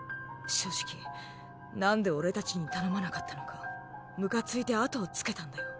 正直なんで俺たちに頼まなかったのかむかついて後をつけたんだよ。